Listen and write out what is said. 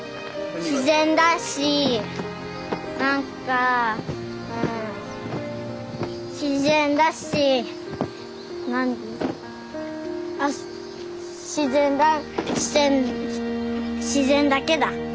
自然だし何かうん自然だしなん自然だ自然自然だけだ。